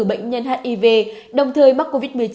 bệnh nhân hiv đồng thời mắc covid một mươi chín